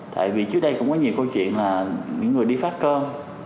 tại vì trước đây cũng có nhiều câu chuyện là những người đi phát cơn